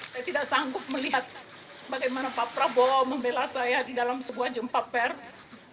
saya tidak sanggup melihat bagaimana pak prabowo membela saya di dalam sebuah jumpa pers